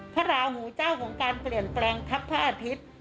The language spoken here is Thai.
พระราหูเจ้าของการเปลี่ยนแปลงทัพพระอาทิตย์